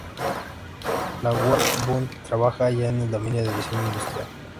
La Werkbund trabajaba ya en el dominio de diseño industrial.